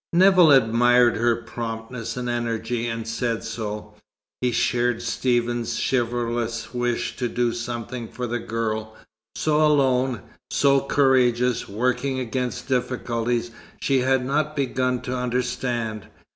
Nevill admired her promptness and energy, and said so. He shared Stephen's chivalrous wish to do something for the girl, so alone, so courageous, working against difficulties she had not begun to understand.